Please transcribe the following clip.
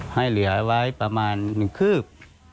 ให้เหลือไว้ประมาณ๑คืบ